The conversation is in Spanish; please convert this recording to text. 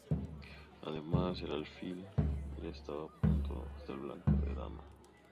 Además, el alfil ya está apuntando al flanco de dama.